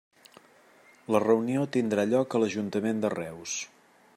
La reunió tindrà lloc a l'Ajuntament de Reus.